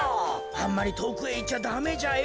あんまりとおくへいっちゃダメじゃよ。